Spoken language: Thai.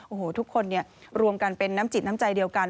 โอ้โหทุกคนรวมกันเป็นน้ำจิตน้ำใจเดียวกัน